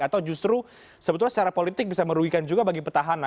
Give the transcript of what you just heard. atau justru sebetulnya secara politik bisa merugikan juga bagi petahana